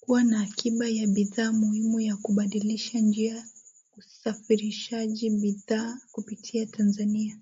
kuwa na akiba ya bidhaa muhimu na kubadilisha njia usafarishaji bidhaa kupitia Tanzania .